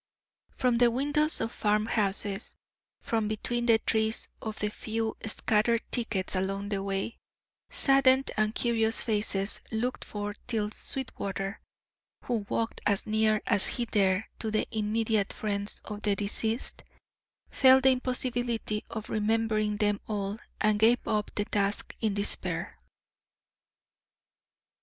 From the windows of farmhouses, from between the trees of the few scattered thickets along the way, saddened and curious faces looked forth till Sweetwater, who walked as near as he dared to the immediate friends of the deceased, felt the impossibility of remembering them all and gave up the task in despair.